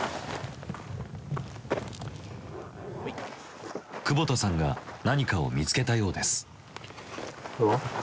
久保田さんが何かを見つけたようです。